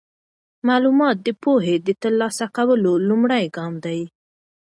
معلومات د پوهې د ترلاسه کولو لومړی ګام دی.